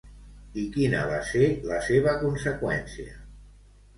I quina va ser la seva conseqüència?